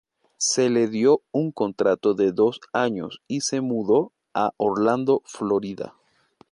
Se le dio un contrato de dos años y se mudó a Orlando, Florida.